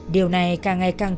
điều này càng ngày càng